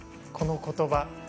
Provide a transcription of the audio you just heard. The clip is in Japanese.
この言葉。